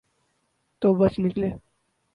تو بچ نکلے۔